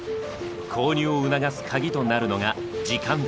購入を促すカギとなるのが「時間」です。